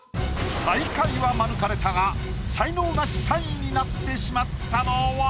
最下位は免れたが才能ナシ３位になってしまったのは？